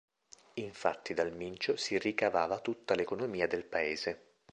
Infatti dal Mincio si ricavava tutta l'economia del paese.